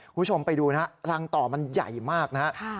คุณผู้ชมไปดูนะฮะรังต่อมันใหญ่มากนะครับ